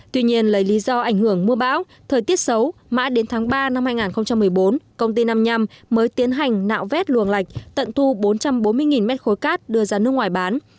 tuy nhiên lấy lý do ảnh hưởng mưa bão thời tiết xấu mã đến tháng ba năm hai nghìn một mươi bốn công ty năm mươi năm mới tiến hành nạo vét luồng lạch tận thu bốn trăm bốn mươi mét khối cát đưa ra nước ngoài bán